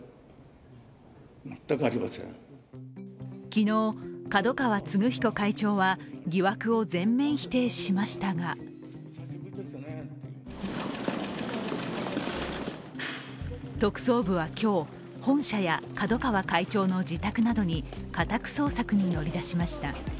昨日、角川歴彦会長は疑惑を全面否定しましたが特捜部は今日、本社や角川会長の自宅などに家宅捜索に乗り出しました。